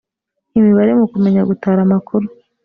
imibare mu kumenya gutara amakuru